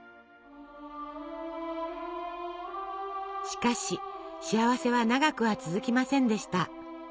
しかし幸せは長くは続きませんでした。